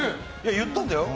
言ったんだよ。